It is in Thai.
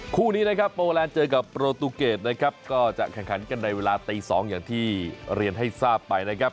คู่นี้นะครับโปรแลนด์เจอกับโปรตูเกตนะครับก็จะแข่งขันกันในเวลาตี๒อย่างที่เรียนให้ทราบไปนะครับ